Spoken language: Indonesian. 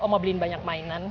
mau beliin banyak mainan